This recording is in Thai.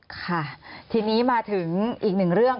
ค่ะทีนี้มาถึงอีกหนึ่งเรื่อง